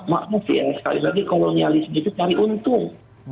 maaf ya sekali lagi kolonialisme itu cari untung